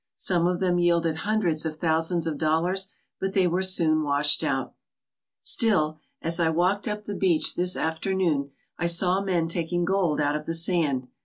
Some of them yielded hundreds of thousands of dollars, but they were soon washed out. Still, as I walked up the beach this afternoon I saw men taking gold out of the sand.